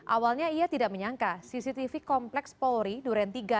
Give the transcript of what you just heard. awalnya ia tidak menyangka cctv kompleks polri duren tiga